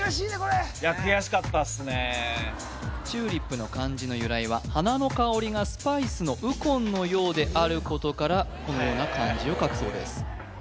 チューリップの漢字の由来は花の香りがスパイスの鬱金のようであることからこのような漢字を書くそうです